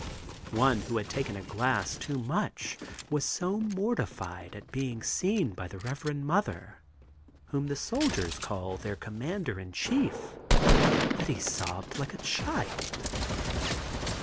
One who had taken a glass too much was so mortified at being seen by the Rev. Mother whom the soldiers call their commander in chief that he sobbed like a child.